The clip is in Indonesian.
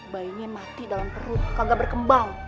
bayinya mati dalam perut kagak berkembang